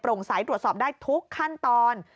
สายตรวจสอบได้ทุกขั้นตอน